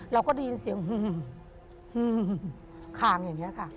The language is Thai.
เราก็ได้ยินเสียงคางอย่างนี้ค่ะ